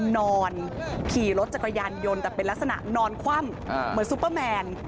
นอนขี่รถจักรยานยนต์แต่เป็นลักษณะนอนคว่ำเหมือนซุปเปอร์แมน